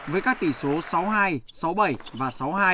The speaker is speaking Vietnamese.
với các tỷ số sáu hai sáu bảy và sáu hai